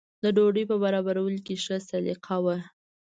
د ډوډۍ په برابرولو کې ښه سلیقه وه.